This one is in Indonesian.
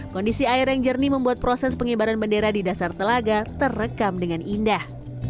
kondisi air yang jernih membuat proses pengibaran bendera di dasar telaga terekam dengan indah